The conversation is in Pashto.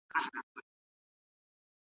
ترې يې وپوښتې كيسې د عملونو .